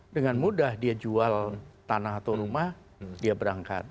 dengan mudah dia jual tanah atau rumah dia berangkat